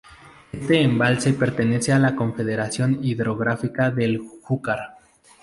Este embalse pertenece a la Confederación Hidrográfica del Júcar.